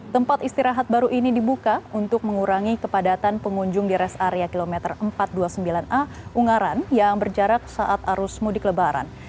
tempat istirahat baru ini dibuka untuk mengurangi kepadatan pengunjung di res area kilometer empat ratus dua puluh sembilan a ungaran yang berjarak saat arus mudik lebaran